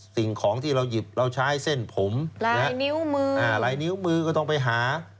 สิ่งของที่เราหยิบเราใช้เส้นผมนะฮะไหนนิ้วมือก็ต้องไปหา